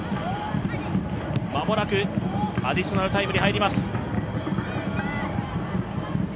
間もなくアディショナルタイムに入ります。